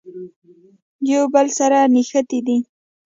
یو بل سره نښتي دي.